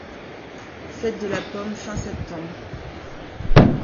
Fête de la Pomme fin septembre.